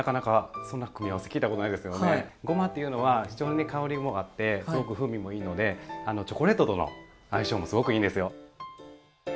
ごまっていうのは非常に香りもあってすごく風味もいいのでチョコレートとの相性もすごくいいんですよ。